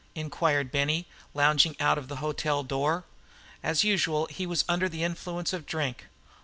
Inquired Benny, lounging out of the hotel door. As usual he was under the influence of drink.